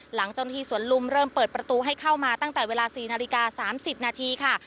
เจ้าหน้าที่สวนลุมเริ่มเปิดประตูให้เข้ามาตั้งแต่เวลา๔นาฬิกา๓๐นาทีค่ะ